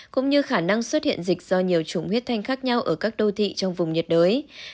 cũng như khả năng xuất hiện dịch do nhiều chủng huyết thanh khác nhau ở các đô thị trong vùng nhiệt đới